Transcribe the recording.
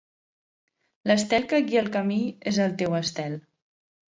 L'estel que guia el camí és el teu estel.